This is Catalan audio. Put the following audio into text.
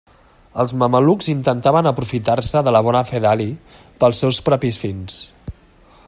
Els mamelucs intentaven aprofitar-se de la bona fe d'Ali pels seus propis fins.